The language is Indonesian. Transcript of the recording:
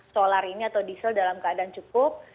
solar ini atau diesel dalam keadaan cukup